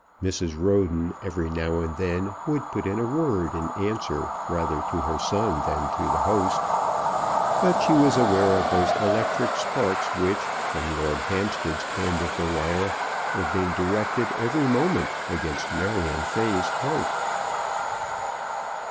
Mrs. Roden every now and then would put in a word in answer rather to her son than to the host, but she was aware of those electric sparks which, from Lord Hampstead's end of the wire, were being directed every moment against Marion Fay's heart.